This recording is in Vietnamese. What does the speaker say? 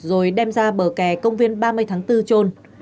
rồi đem ra bờ kè công viên ba mươi tháng bốn trôn